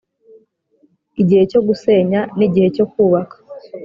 Igihe cyo gusenya nigihe cyo kubaka